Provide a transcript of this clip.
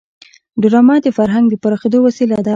ډرامه د فرهنګ د پراخېدو وسیله ده